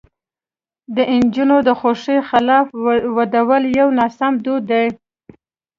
د نجونو د خوښې خلاف ودول یو ناسم دود دی.